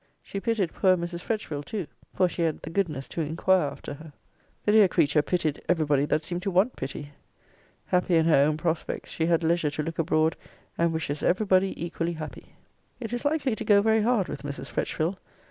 She pitied poor Mrs. Fretchville too; for she had the goodness to inquire after her. The dear creature pitied every body that seemed to want pity. Happy in her own prospects, she had leisure to look abroad, and wishes every body equally happy. It is likely to go very hard with Mrs. Fretchville.